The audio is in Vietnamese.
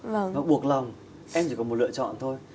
và buộc lòng em chỉ có một lựa chọn thôi